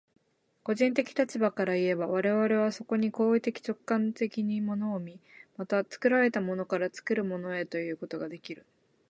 個人的立場からいえば、我々はそこに行為的直観的に物を見、また作られたものから作るものへということができる。